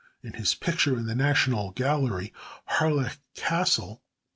In his picture in the National Gallery, "Harlech Castle," No.